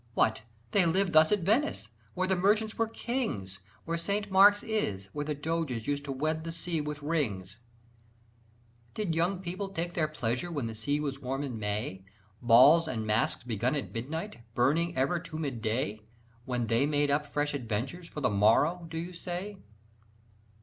What, they lived thus at Venice, where the merchants were the kings, Where St. Mark's is, where the Doges used to wed the sea with rings? Did young people take their pleasure when the sea was warm in May? Balls and masks begun at midnight, burning ever to mid day, When they made up fresh adventures for the morrow, do you say?